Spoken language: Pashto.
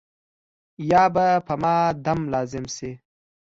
یا به په ما دم لازم شي.